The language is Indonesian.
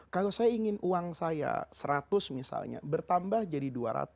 kalau saya ingin uang saya seratus misalnya bertambah jadi dua ratus